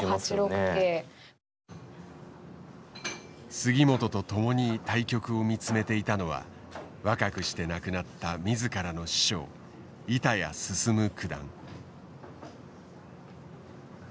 杉本と共に対局を見つめていたのは若くして亡くなった自らの師匠板谷進九段。